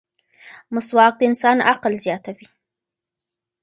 مسواک د انسان عقل زیاتوي.